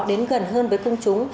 đến gần hơn với công chúng